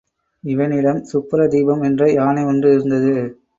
இவனிடம் சுப்ரதீபம் என்ற யானை ஒன்று இருந்தது.